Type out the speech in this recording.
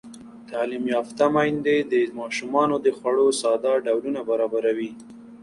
تعلیم یافته میندې د ماشومانو د خوړو ساده ډولونه برابروي.